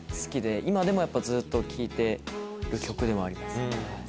今でもやっぱずっと聴いてる曲でもあります。